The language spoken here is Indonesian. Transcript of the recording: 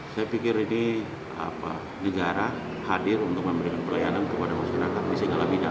saya pikir ini negara hadir untuk memberikan pelayanan kepada masyarakat di segala bidang